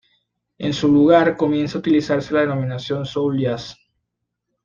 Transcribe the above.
En su lugar, comienza a utilizarse la denominación "soul jazz".